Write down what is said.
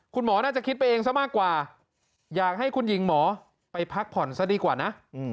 คุณหมอน่าจะคิดไปเองซะมากกว่าอยากให้คุณหญิงหมอไปพักผ่อนซะดีกว่านะ